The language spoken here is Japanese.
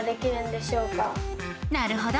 なるほど！